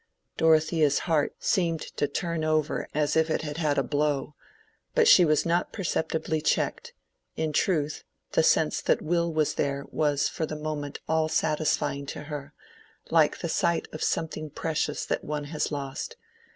Dorothea's heart seemed to turn over as if it had had a blow, but she was not perceptibly checked: in truth, the sense that Will was there was for the moment all satisfying to her, like the sight of something precious that one has lost.